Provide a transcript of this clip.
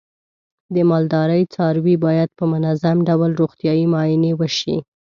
د مالدارۍ څاروی باید په منظم ډول روغتیايي معاینې وشي.